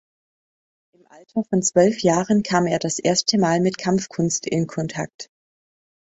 Im Alter von zwölf Jahren kam er das erste Mal mit Kampfkunst in Kontakt.